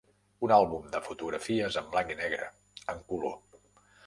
Un àlbum de fotografies en blanc i negre, en color.